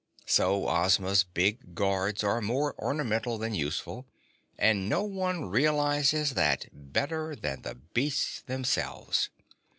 So Ozma's big guards are more ornamental than useful, and no one realizes that better than the beasts themselves.